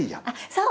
そう！